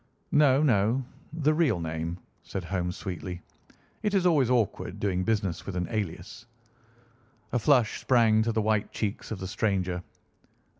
"No, no; the real name," said Holmes sweetly. "It is always awkward doing business with an alias." A flush sprang to the white cheeks of the stranger.